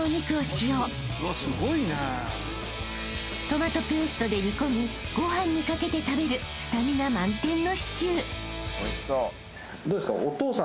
［トマトペーストで煮込みご飯にかけて食べるスタミナ満点のシチュー］